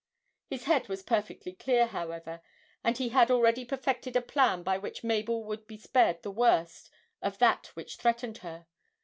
His head was perfectly clear, however, and he had already perfected a plan by which Mabel would be spared the worst of that which threatened her.